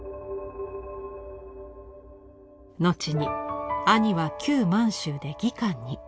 後に兄は旧満州で技官に。